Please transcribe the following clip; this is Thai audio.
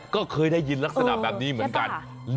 ก็เคยได้ยินลักษณะแบบนี้เหมือนกันใช่ป่ะค่ะ